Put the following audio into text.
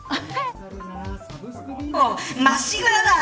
まっしぐらだ。